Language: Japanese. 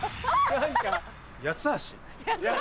八つ橋！